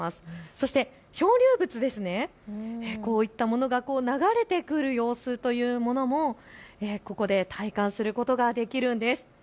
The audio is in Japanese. そして漂流物、こういったものが流れてくる様子というのもここで体感することができるんです。